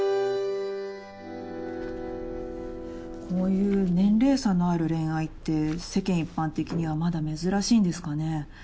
こういう年齢差のある恋愛って世間一般的にはまだ珍しいんですかね。